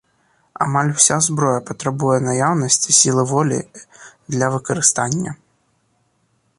Амаль уся зброя патрабуе наяўнасці сілы волі для выкарыстання.